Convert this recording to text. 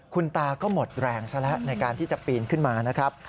คุณตาก็หมดแรงซะแล้วในการที่จะปีนขึ้นมานะครับ